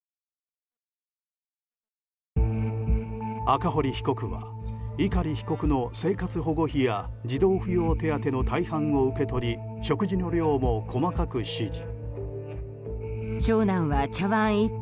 赤堀被告は碇被告の生活保護費や児童扶養手当の大半を受け取り食事の量も細かく指示。